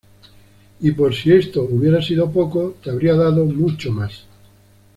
Y por si esto hubiera sido poco, te habría dado mucho más.